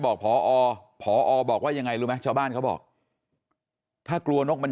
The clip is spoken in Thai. บอกพอพอบอกว่ายังไงรู้ไหมชาวบ้านเขาบอกถ้ากลัวนกมัน